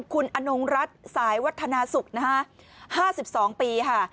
คุณอนุงรัฐสายวัฒนาสุขนะฮะห้าสิบสองปีค่ะ